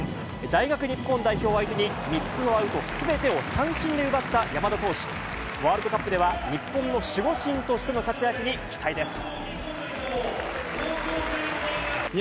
大学日本代表を相手に３つのアウトすべてを三振で奪った山田投手、ワールドカップでは、日本の守護神としての活躍に期待です。